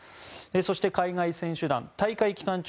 そして、海外選手団は大会期間中